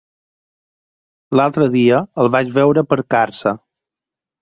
L'altre dia el vaig veure per Càrcer.